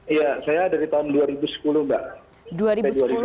iya saya dari tahun dua ribu sepuluh mbak